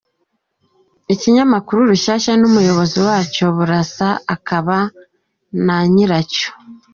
Ikinyamakuru Rushyashya n’Umuyobozi wacyo Burasa, akaba na nyiracyo